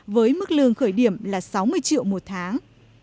với mức lương khởi điểm là sáu mươi triệu một tháng